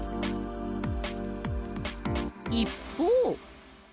一方。